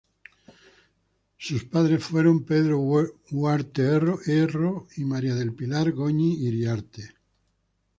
Sus padres fueron Pedro Huarte Erro y María del Pilar Goñi Iriarte.